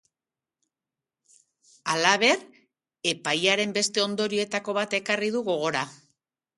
Halaber, epaiaren beste ondorioetako bat ekarri du gogora.